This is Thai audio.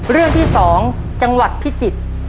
เรื่องที่๒จังหวัดพิจิตร